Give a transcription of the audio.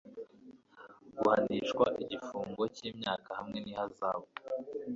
guhanishwa igifungo cy'imyaka hamwe n'ihazabu